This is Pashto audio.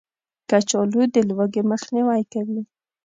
کچالو د لوږې مخنیوی کوي